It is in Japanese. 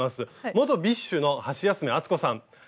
元ＢｉＳＨのハシヤスメさん